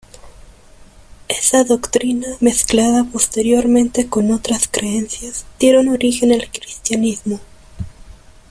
Esa doctrina, mezclada posteriormente con otras creencias dieron origen al cristianismo.